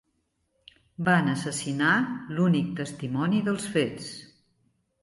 Van assassinar l'únic testimoni dels fets.